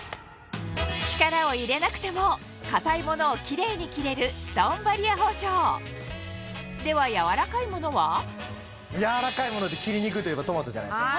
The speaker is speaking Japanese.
力を入れなくても硬いものをキレイに切れるストーンバリア包丁では柔らかいもので切りにくいといえばトマトじゃないですか。